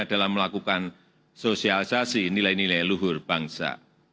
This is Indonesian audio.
dalam melakukan sosialisasi nilai nilai luhur bangsa